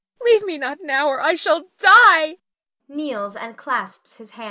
Leave me not now or I shall die! [Kneels and clasps his hand.] Adrian.